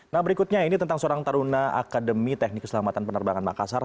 nah berikutnya ini tentang seorang taruna akademi teknik keselamatan penerbangan makassar